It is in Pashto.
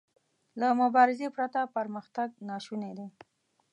له مبارزې پرته پرمختګ ناشونی دی.